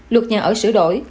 luật nhà ở sửa đổi